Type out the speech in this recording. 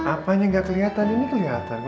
apa aja gak keliatan ini keliatan